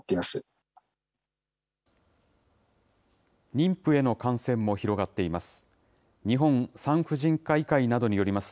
妊婦への感染も広がっています。